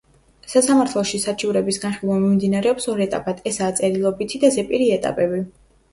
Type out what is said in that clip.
სასამართლოში საჩივრების განხილვა მიმდინარეობს ორ ეტაპად: ესაა წერილობითი და ზეპირი ეტაპები.